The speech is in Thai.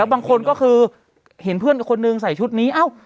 แล้วบางคนก็คือเห็นเพื่อนกับคนหนึ่งใส่ชุดนี้เอ้า